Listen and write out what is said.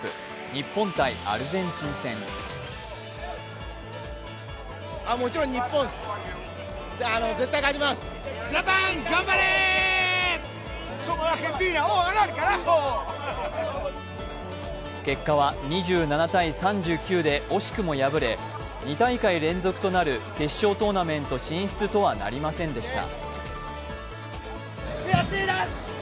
日本×アルゼンチン戦結果は２７−３９で惜しくも敗れ、２大会連続となる決勝トーナメント進出とはなりませんでした。